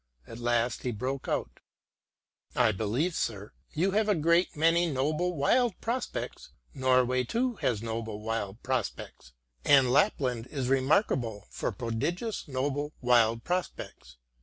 At last he broke out ;" I believe, sir, you have a great many noble wild prospects. Norway, too, has noble wild prospects, and Lapland is remarkable for prodigious noble wild prospects.